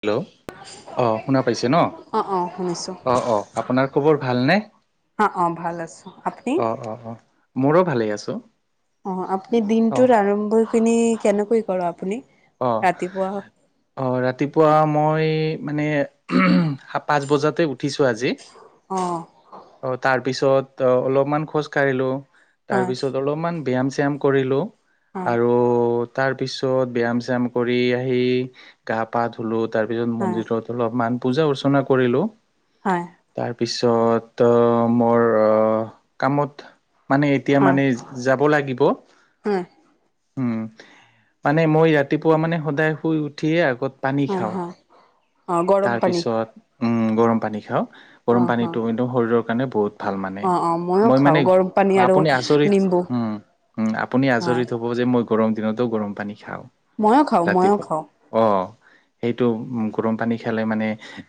Hello অ শুনা পাইছে ন। অ', অ', শুনিছো অ 'অ, ' আপোনাৰ খবৰ ভালনেে? অ', অ', ভাল আছো আপুনি? অ' অ 'অ 'মোৰো ভালে আছে অ আপুনি দিনটোৰ আৰম্ভ খিনি কেনেকৈ কৰ আপুনি। ৰাতিপুৱা অ' অ' ৰাতিপুৱা মই মানে উ পাঁচ বজাতে উঠিছো আজি অ অ তাৰপিছত অলপমান খোজকাঢ়িলোঁ। হয়, তাৰপিছত অলপমান ব্যায়াম চায়াম কৰিলোঁ। হয়, আৰু তাৰ পিছত ব্যায়াম চ্যাম কৰি আহি গা পা ধুলোত তাৰ পিছত হয়, মন্দিৰত অলপমান পূজা অৰ্চনা কৰিলো হয়, তাৰ পিছ তাৰছ'ত মোৰ কামত মানে এতিয়া হয়, মানে যাব লাগিব। হয়, উম মানে মই ৰাতিপুৱা মানে সদায় শুই উঠিয়ে আগত পানী হয়, খাওঁ। হয়, অ', গৰম পানী তাৰপিছত গৰম পানী খাওঁ। গৰম অ', হয়। পানীতটো একদ শৰীৰৰ কাৰণে বহুত ভাল মানে। অ', অ', ময়ো মই খাওঁ মানে গৰম পানী আৰু আপুনি আজৰিত নিম্বু উম উম আপুনি হয়। আচৰিত হ'ব যে মই গৰম দিনতো গৰম পানী খাওঁ ময়ো খাওঁ ময়ো ৰাতিপুৱা খাওঁ অ' সেইটো গৰম পানী খালে মানে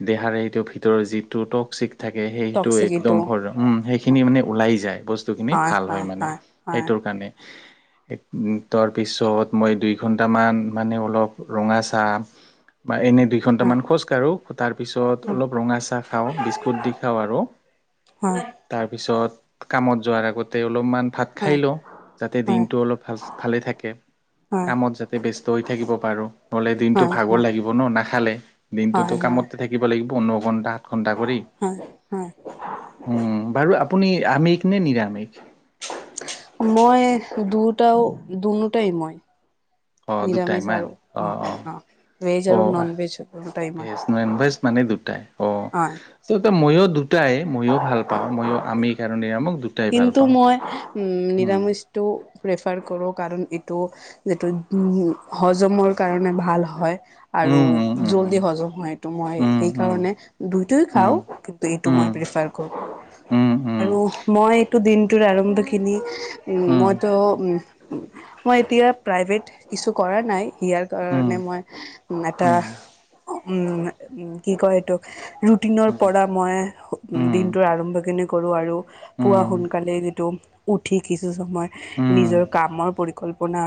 দেহাৰে সেইটো ভিতৰ যিটো টক্সিক থাকে সেইটো টকচিকিটো একদমৰ উম সেইখিনি মানে ওলাই যায়। বস্তুখিনি ভাল হয় মানে সেইটোৰ কাৰণে। হয় তাৰ পিছত মই দুই ঘন্টাামান মানে অলপ ৰঙা চাহ বা এনে দুই হয়, ঘণ্টামান খোজ ি [unintelligible] বি্ু দি খ আৰু হয়, হয়, পিছত কামত যোৱাৰ আগতে অলপমান ভাত খাই হয়, লওঁ। যাতে হয়, হয়, দিনটো অলপ ভাল ভালে থাকে। কামত যাতে ব্যস্ত হৈ থাকিব পাৰো। নহলে দিনটো হয়, ভাগৰ লাগিব ন নাখালে। দিনটোতো হয়, হয়, কামতে থাকিব লাগিব ন ঘন্টাত ঘন্টা কৰি হয়, হয়। উম বাৰু আপুনি আমিষ নে নিৰামিষ। মই দুটাও দুইটাই মই অ দুটাইমান অ' ভেজ আৰু অ' নন ভেজ দুটাই মই [unintelligible] মানে দুটাই অ ত মইো দু তাই ময়ো ভাল পাওঁ ময়ো আমি কাৰণে আমক কিন্তু মই নিৰামিষ তো এপ্ৰফাৰ কৰো। কাৰণ এইটো যিটো উ হজমৰ কাৰণে ভাল হয়। আৰু উম উম জল্দি হজম হয়টো মই উম সেই উম কাৰণে দুই খাও কিন্তু এইটো উম মই উম প্ৰেফাৰ ক উম আৰু মই এইটো দিনটোৰ আৰম্ভখিনি উম উম উম মইতো মই এতিয়া প্ৰায় [inaudible] ইয়াৰ উম কাৰণে উম মই এটা উম, উ কি কয়, এইটোোক ৰুটিনৰ উম পৰা মই উ উম দিনটো আৰম্ভ কৰি কৰো আৰু উম পুৱোৱা সোনকালে যিটো উঠি কিছু সময় উম নিজৰ কামৰ পৰিকল্পনা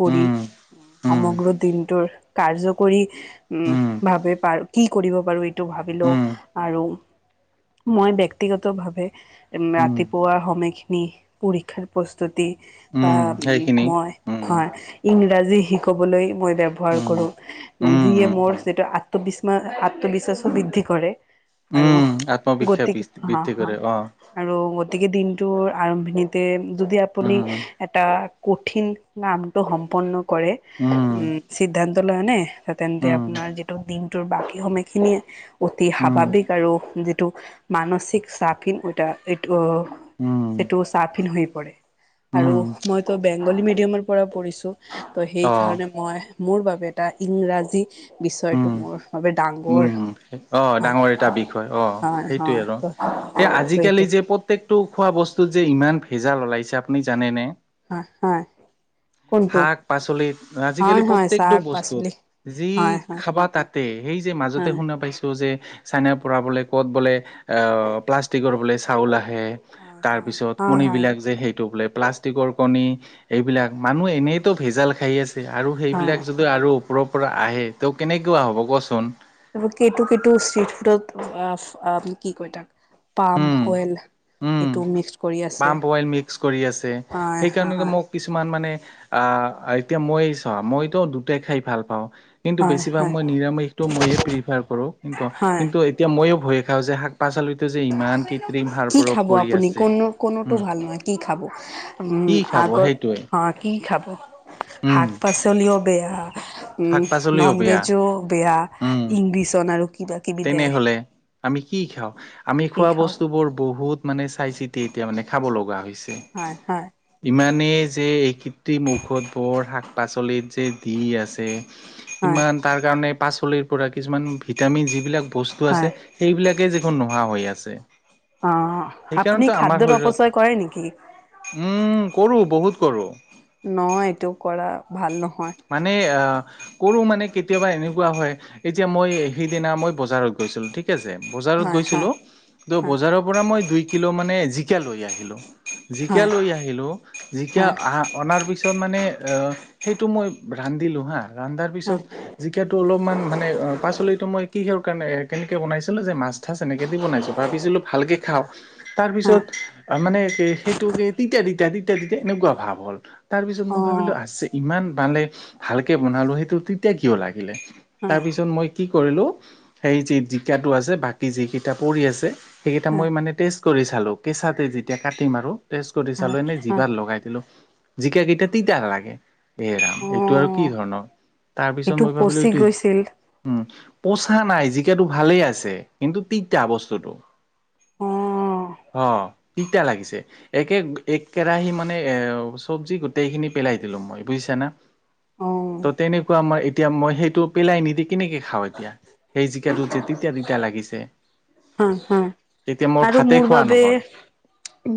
কৰি উম। সৰি উম, সমগ্ৰ দিনটোৰ কাৰ্যকৰী উ উম, ভাবে পাৰ কি কৰিব পাৰো এইটো ভাল উম, আৰু মই ব্যক্তিগত ভাৱে উম, ৰাতিপোৱা হমেখিনি পৰীক্ষাৰ প্ৰস্তুতি বা উম, সেইখিনি মই উম, হয় ইংৰাজী উম, উম, উম, উম, [unintelligible] বৃদ্ধি কৰে আৰু উম, আত্মবিশ্বাস গতি বৃ- হা বৃদ্ধি হা কৰে অ', আৰু গতিকে দিনটোৰ আৰম্ভণিতে যদি আপুনি উম, এটা কঠিন কামটো সম্পন্ন কৰে উম সিদ্ধান্ত লয়নে তেন্তে উম, আপোনাৰ যিটো দিনটোৰ বাকী সময়খিনিয়ে অতি উম, স্বাভাৱিক আৰু যিটো মানসিক চাকিন এটা এইটো উম, সেইটো চাফিন হৈ পৰে আৰু উম, মইতো বেংগলী মিডিয়ামৰ পৰা পঢ়িছো ত' সেই অ', কাৰণে মই মোৰ বাবে এটা ইংৰাজী বিচয়টো উম, মোৰ বাবে ডাঙৰ উম অঁ হয় ডাঙৰ এটা বিষয় অ হয় সেইটোৱে হয় আৰু ত সেই ত এইটো আজিকালি যে প্ৰত্যেকটো খোৱা বস্তুত যে ইমান ভেজাল ওলাইছে আপুনি জানেনে হয় হয় কোনটো শাক পাচলিত আজিকালি হয় হয় প্ৰত্যেকটো শাক বস্তুত পাচলি যি হয় হয় খাবা তাতে সেই যে মাজতে হয় শুনা পাইছো যে চাইনা পৰা বোলে ক'ত বোলে প্লাষ্টিকৰ বোলে চাউল আহে হয় তাৰ হয় পিছত হয় কণী হয় এইবিলাক যে সেইটো বোলে প্লাষ্টিকৰ কণী এইবিলাক মানুহ এনেইতো ভেজাল খাই আছে আৰু হয় সেইবিলাক যদি আৰু পৰা আহে তেওঁ কেনেকুৱা হ'ব কচোন [unintelligible] পাম উম অইল উম এইটো মিক্স কৰি আছে পাম অইল মিক্স কৰি আছে হয় সেইকাৰণেটো হয় মোক কিছুমান মানে আৰু এতিয়া মই চোৱা মইতো দুটাই খাই ভাল পাওঁ কিন্তু হয় বেছিভাগ হয় মই নিৰামিষটো মইয়ে প্ৰিফাৰ কৰো কিন্তু হয় কিন্তু এতিয়া ময়ো ভয়ে খাওঁ যে শাক পাচলিতো যে ইমান কৃত্ৰিম সাৰ কি প্ৰয়োগ খাব কৰি আপুনি আছে কোনো কোনোতো উম ভাল নহয় কি খাব উম কি খাব আগত সেইটোৱে অঁ কি খাব উম শাক পাচলিও বেয়া উম শাক পাচলিও নন বেয়া ভেজো বেয়া উম ইংলিছন আৰু কিবা কিবি তেনেহলে আমি কি খাওঁ আমি কি খোৱা খাওঁ বস্তু বোৰ বহুত মানে চাই চিতি এতিয়া মানে খাব লগা হয় হয় হয় ইমান মানে যে এইযে কৃত্ৰিম ঔষধ বৰ শাক পাচলিত যে দি আছে হয় ইমান তাৰ কাৰণে পাচলিৰ পৰা কিছুমান ভিটামিন যিবিলাক বস্তু আছে হয় সেইবিলাকেই দেখোন নোহোৱা হৈ আছে অ আপুনি সেইকাৰণেতো আমাৰ খাদ্যৰ শৰীৰত অপচয় কৰে নেকি? উম কৰো বহুত কৰোঁ নহয় এইটো কৰা ভাল নহ মানে কৰো মানে কেতিয়াবা এনেকুৱা হয় এতিয়া মই সেইদিনা মই বজাৰত গৈছিলো ঠিক ঠিক আছে বজাৰত হয় হয় গৈছিলো ত হয় বজাৰৰ পৰা মই দুই কিলো মানে জিকা লৈ আহিলো জিকা লৈ আহিলোঁ জিকা হয় হয় অনাৰ পিছত মানে সেইটো মই ৰান্ধিলো হা ৰান্ধাৰ পিছত হয় জিকাতটো অলপমান মানে পাচলিতো মই কিহৰ কাৰণে কেনেকে বনাইছিলো যে মাছ ঠাচ এনেকে দি বনাইছো ভাবিছিলো ভালকে খাওঁ তাৰ পিছত হয় মানে কি সেইটো কি তিতা তিতা এনেকুৱা ভাৱ হ'ল তাৰপিছত অ মই ভাবিলোঁ আছে ইমান মানে ভালকৈ বনালোঁ সেইটো তিতা কিয় লাগিলে হয় তাৰপিছত মই কি কৰিলো সেই যে জিকাটো আছে বাকী যিকেইটা পৰি আছে সেইকেইটা হয় মই মানে টেষ্ট কৰি চালো কেঁচাতে যেতিয়া কাটিম আৰু টেষ্ট কৰি হয় চালো এনেই হয় জিভাত লগাই দিলো জিকাকেইটা তিতা লাগে এৰাম অ এইটো আৰু কি ধৰণৰ তাৰ পিছত সেইটো মই ভাবিলো পচি এইটো গৈছিল উম পচা নাই জিকাতটো ভালেই আছে কিন্তু তিতা বস্তুটো অঁ অঁ তিতা লাগিছে একে এককেৰাহি মানে এ চব্জি গোটেইখিনি পেলাই পেলাই দিলো মই বুজিছা না অ ত' তেনেকুৱা ম মই এতিয়া মই সেইটো পেলাই নিদি কেনেকে খাওঁ এতিয়া। সেই জিকাটো যে তেতিয়া-তেতিয়া লাগিছে। হম-হম তেতিয়া আৰু ভাতে মোৰ খোৱা বাবে নহল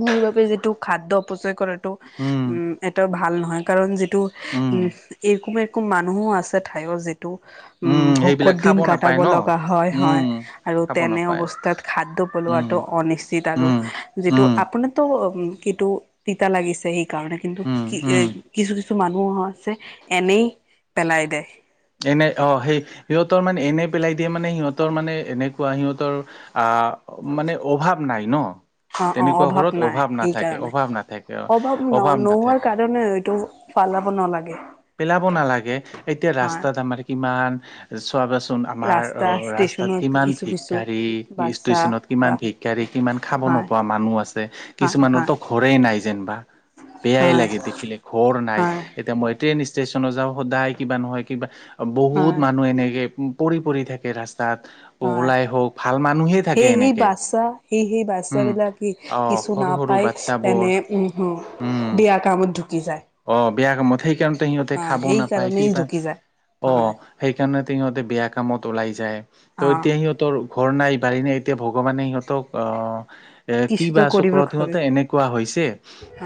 মোৰ বাবে যিটো খাদ্য অপচয় কৰাটো উম এটা ভাল নহয় কাৰণ যিটো উম এইকমে এক মানুহো আছে ঠাইৰ যেতি উম, ভকত সেইবিলাক দিন খাব নাপায় গাটাব ন লগা হয়-হয় উম আৰু খাব তেনে নাপায় অৱ তাত খাদ্য উম পলোৱাটো অনশ্চিত আৰু উম যিটো উম আপুনাতো উম, কিন্তু তিতা লাগিছে সেইকাৰণে কিন্তু উম কি এ উম কিছু কিছু মানুহ আছে এনেই পেলাই দেিয়। এনে অ সেই সিহঁতৰ মানে এনে পেলাই দিয়ে মানে সিহঁতৰ মানে এনেকুৱা সিহঁতৰ আহ মানে অভাৱ নাই ন। অ-অ তেনেকুৱা ঘৰত অভাৱ নাই নাথাকে সেইকাৰণে অভাৱ নাথাকে অ অভাৱ ন নোহোৱাৰ নাথাকে কাৰণে এইটো, পালাব নালাগে। পেলাব নালাগে এতিয়া হয় ৰাস্তাত আমাৰ কিমান চাবাচোন আমাৰ রাস্তা অ' ৰাস্তাত স্টেশনত কিমান কিছু কিছু ভিক্ষাৰী গাড়ী বাচ্চা ষ্টেচনত কিমান বা ভিক্ষাৰী গাড়ী কিমান খাব হাঁহ নোপোৱা মানুহ আছে হাঁহ হাঁহ কিছুমানৰতো ঘৰেই নাই যেনিবা। বেয়াই হাঁহ লাগে দেখিলে ঘৰ নাই হাঁহ এতিয়া মই। ট্ৰেইন ষ্টেশচন যাওঁ সদায় কিবা নহয় কিবা বহুত হাঁহ মানুহ এনেকে পৰি পৰি থাকে ৰাস্তা। তাত উ, হাঁহ লাই হওক ভাল মানুহেই থাকে সেই সেই এনেকে বাচ্ছা উম, অ', সৰু সৰু নাপায় বাচ্ছাবোৰ তেনে উ উম বিয়া কামতু অ' বিয়া কামত সেইকাৰণতে সিহঁতে হা খাবও সেই নাপায় কি কাৰণেই পায় ঢুকি যায় অ' হয় সেই সেইকাৰণতে সিহঁতে বেয়া কামত ওলাই যায় ত অ এতিয়া সিহঁতৰ। ঘৰ নাই বাঢ়ি নাই এতিয়া ভগৱানে সিহঁতক এ কিছুতো কিবা কৰিব চক্ৰত খাবে সিহঁতে এনেকুৱা হৈছে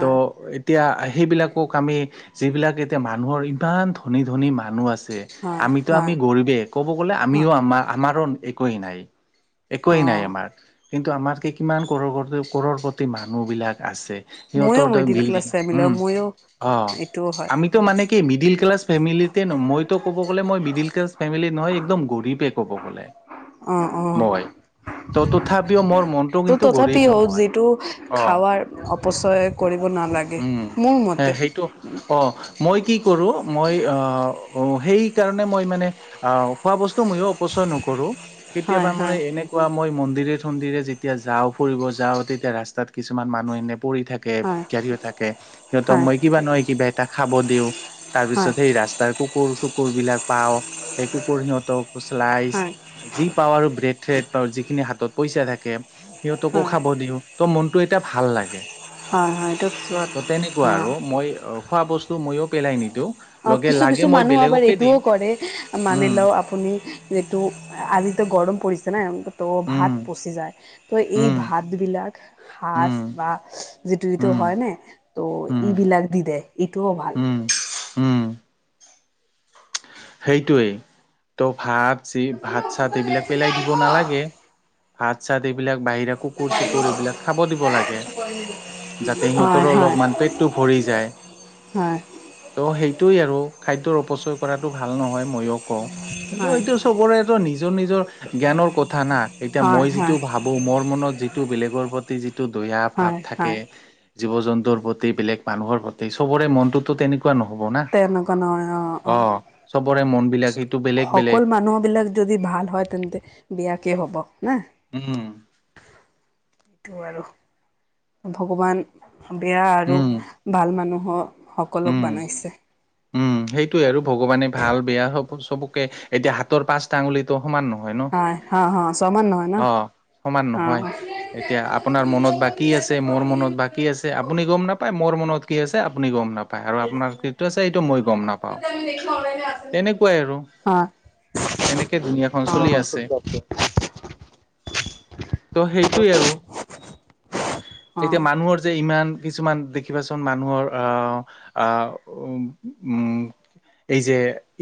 ত' এতিয়া সেইবিলাক ক আমি যিবিলাক এতিয়া মানুহৰ ইমান ধনী ধনী মানুহ আছে। হয় আমিতো আমি হয় গৰৱেই কব গলে হয় আমিও আম আমাৰো একোৱ নাই। অ একোৱেই নাই আমাৰ কিন্তু আমাৰ কি কিমান কৰ কৰৰ প্ৰতি মানুহ বিলাক আছে। ময়ো সিহঁতৰ ত মিডিল বিলদিং ক্লাছ ফেমিলি উম, ময়ো অ' এইটোও হয় আমিতো মানে কি মিডিল ক্লাচ ফেতে মইটো কব গলে মই মিড ক্লচ। নহয় একদম গৰ পে ক'ব গ'লে। অহ-অহ, মই ত' তথাপিও মোৰ মনটো ত' কিন্তু গৰীব তথাপিও নহয় যিটো অ'। খাৱাৰ অপচয় কৰিব। নালাগে উম মোৰ। মতে সেইটো অ' মই কি কৰোঁ মই সেইকাৰণে মই মানে খোৱা বস্তু ময়ো অপচয় নকৰোঁ। হয় কেতিয়াবা মানে হয় এনেকুৱা মই মন্ ন্দিৰে ঠন্দিৰে যেতিয়া যাওঁ ফুৰিব যাওঁ তেতি ৰাস্ত কিছু মানু্হ এ পৰি থাকে হয় ভিক্ষাৰী থাকে সিহঁতক হয় মই কিবা নহয় কিবা এটা খাব দিওঁ। তাৰ পিছত হয় সেই ৰাস্তাৰ কুকুৰ-চুকুৰ বিলাক পাওঁ সেই কুকুৰ সিহঁতক। ফচালইচ হয় যি পাওঁ আৰু ব্ৰেড চেড পা যিখিনি হাতত পইচা থাকে সিহঁতকো হয় খাব দিওঁ ত মনতটো এটা ভাল লাগে। হয়-হয় এইটো পছত ত' তেনেকুৱা আৰু মই খোৱা বস্তু ময়ো পেলাই নিদিওঁ। অ' লগে লাগে কিছু-কিছু মই মানুহ আবাৰ বেলেগকে দিম এইটোও কৰে মান উম লও আপুনি এইটো আজি, গৰম পৰিছে নাই তো উম ভাত পচি যায় তো এই উম ভাতবিলাক। উম সাঁচ বা যিটো যিটো উম হয় ন ত' উম ইবিলাক দি দে এইটোও ভাল। উম উম সেইটোৱেই ত' ভাতি ভাত চাত এইবিলাক পেলাই দিব নালাগে। ভাত চাত এইবিলাক বাহিৰা কুকুৰ-চুকুৰ এইবিলাক খাব দিব লাগে যাতে হয় সিহঁতৰো হয় অলপমান পেটটো ভৰি হয় ত' সেইটোৱেই আৰু। খাদ্যৰ অপচয় কৰাটো ভাল নহয় ময়ো কওঁ কিন্তু হয় এইটো চবৰেটো নিজৰ-নিজৰ জ্ঞানৰ কথা ন। এতিয়া হয় মই যিটো হয় ভাবো মোৰ মনত যিটো বেলেগৰ প্ৰতি যিটো দয়ায়া ভাৱ হয় থাকে। হয় জীৱ জন্তুৰ প্ৰতি বেলেগ মানুহৰ প্ৰতি সবৰে মনটোতো তেনেকুৱা। নহ'ব না তেনেকুৱা নহয় অ - অ। চবৰে মন বিলাক সেইটো বেলেগ বেলেগ সকলো মানুহ বিলাক যদি ভাল হয় তেন্তে বিয়াকে হব। ন উম সেইটো আৰু। ভগৱান বেয়া আৰু উম ভাল মানুহৰ। সকলক উম বানাইছে। উম, সেইটোৱে আৰু ভগৱানে ভাল বেয়া সব চবকে এতিয়া হাতৰ পাঁচটা আঙুলিতটো। হয় হা - হা চমান নহয়। ন অ', সমান নহয় এতিয়া আপোনাৰ মনত বাকী আছে মোৰ মনত বাকী আছে আপুনি গম নাপায়। মোৰ মনত কি আছে আপুনি গম নাপায়। পায় আৰু আপোনাৰ যটো আছে সটো মই গম নাপাও তেনেকুৱাই আৰু। অ হয় তেনেকে দুুনীয়াখন চলি অ আছে। ত' সেইটোৱেই আৰু অ এতিয়া মানুহৰ যে ইমান কিছুমান দেখিবাচোন মানুহৰ আহ - আহ উ - উ। এই যে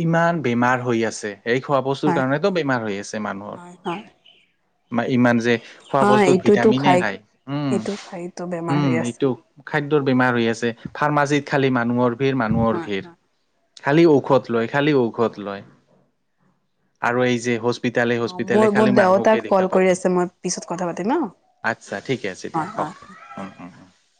ইমান বেমাৰ হৈ আছে। এইেই খোৱা বস্তুৰ হয় কাৰণেতো বেমাৰ হৈ আছে মানুহৰ। হয় হয় বা ইমান যে খোৱা হা বস্তুত এইটোতো ভিটামিনে খাই নাই উম এইটো খাইতো - বেমাৰ উম হৈ আছে এইটো। খাদ্যৰ বেমাৰ হৈ আছে ফাৰ্মাচীত খালি মানুহৰ ভিৰ মানুহৰ হয় ভিৰ। হয়। খালি ঔষধ লয়- খালী ঔষধ লয় আৰু এই যে হস্পিতালে - অ হস্পিতালে মোৰ বহুত খালি মানুহ। দেউতাক কল কৰি আছে মই পিছত কথা পাতিম ন আচছা ঠিকে আছে দিয়া হয় হয়। অকে উম- উম।